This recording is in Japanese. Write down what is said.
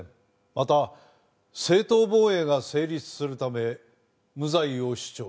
また正当防衛が成立するため無罪を主張します。